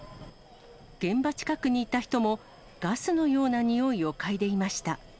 現場近くにいた人も、ガスのような臭いを嗅いでいました。